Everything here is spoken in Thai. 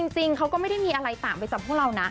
จริงเขาก็ไม่ได้มีอะไรต่างไปจำพวกเรานะ